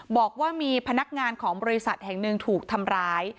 บอกว่ามีพนักงานของบริษัทแห่งหนึ่งถูกทำร้าย